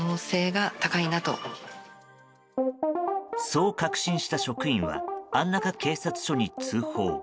そう確信した職員は安中警察署に通報。